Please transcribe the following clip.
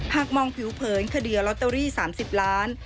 หากมองผิวเผินคดีลอตเตอรี่๓๐ล้าน